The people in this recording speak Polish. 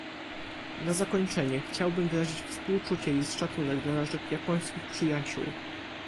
Na zakończenie chciałbym wyrazić współczucie i szacunek dla naszych japońskich przyjaciół